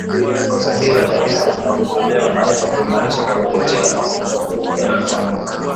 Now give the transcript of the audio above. usahihi wa taarifa zinazotolewa unaweza kuimarishwa kupitia mafunzo kuhusu dalili za magonjwa